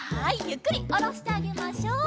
ゆっくりおろしてあげましょう。